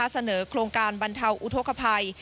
เสนอโครงการบรรเทาอุทธกภัย